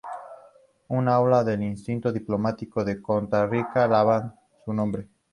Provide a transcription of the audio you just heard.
Un aula del Instituto Diplomático de Costa Rica lleva su nombre.